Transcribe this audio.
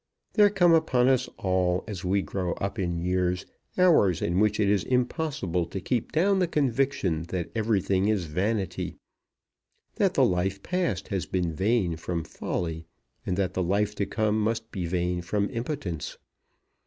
There come upon us all as we grow up in years, hours in which it is impossible to keep down the conviction that everything is vanity, that the life past has been vain from folly, and that the life to come must be vain from impotence.